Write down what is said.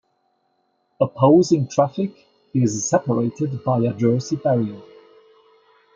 Opposing traffic is separated by a Jersey barrier.